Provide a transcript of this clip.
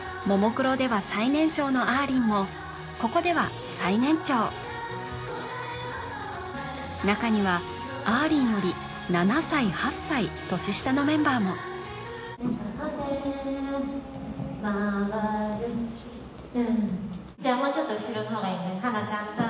ももクロでは最年少のあーりんもここでは最年長中にはあーりんより７歳８歳年下のメンバーも回るダン